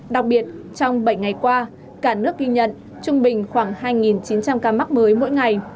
đặc biệt trong bảy ngày qua cả nước ghi nhận trung bình khoảng hai chín trăm linh ca mắc mới mỗi ngày